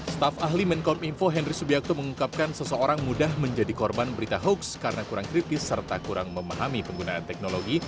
staf ahli menkom info henry subiakto mengungkapkan seseorang mudah menjadi korban berita hoax karena kurang kritis serta kurang memahami penggunaan teknologi